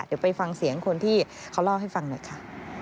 เดี๋ยวไปฟังเสียงคนที่เขาเล่าให้ฟังหน่อยค่ะ